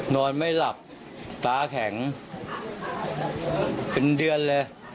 นอนไม่หลับตาแข็งเป็นเดือนเลย